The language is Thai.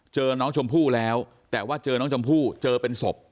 เจอน้องชมพู่แล้วแต่ว่าเจอน้องชมพู่เจอเป็นศพ